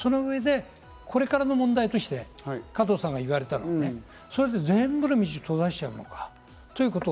これからの問題として加藤さんが言われた部分、全部の道を閉ざしちゃうのかということ。